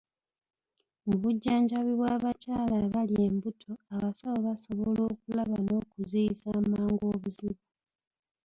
Mu bujjanjabi bw'abakyala abali embuto, abasawo basobola okulaba n'okuziyiza amangu obuzibu.